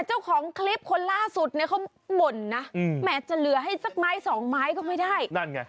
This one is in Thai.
เจ้าของคลิปคนล่าสุดเขาหม่นนะแม้จะเหลือให้สักไม้สองไม้ก็ไม่ได้